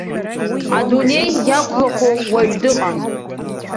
Адунеи иақәлахо уаҩ дыҟам.